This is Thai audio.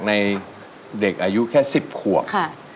ในเด็กอายุแค่๑๐ขวบ